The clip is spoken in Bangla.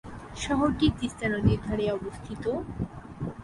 শহরটি তিস্তা নদীর ধারে অবস্থিত।